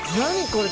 これ。